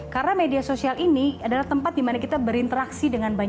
karena media sosial ini adalah tempat dimana kita berinteraksi dengan banyak orang